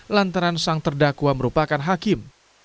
lantaran sang terdakwa merupakan hakim